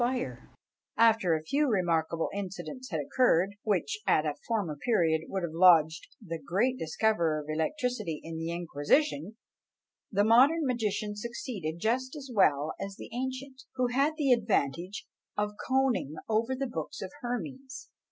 After a few remarkable incidents had occurred, which at a former period would have lodged the great discoverer of electricity in the Inquisition, the modern magician succeeded just as well as the ancient, who had the advantage of conning over the books of Hermes.